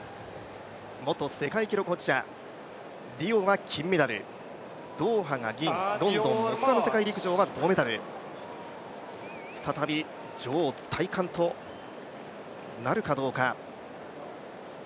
元世界記録保持者、リオは金メダルドーハが銀、ロンドンの世界陸上は銅メダル、再び女王戴冠となるかどうか。